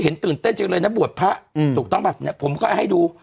ตื่นเต้นจังเลยนะบวชพระอืมถูกต้องป่ะเนี่ยผมก็ให้ดู